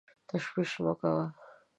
تشویش مه کوه !